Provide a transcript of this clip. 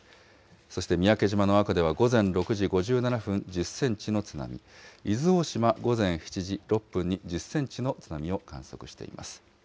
そして三宅島の阿古では午前６時５７分、１０センチの津波、伊豆大島、午前７時６分に１０センチの津波を観測しています。